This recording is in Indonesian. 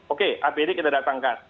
oke apd kita datangkan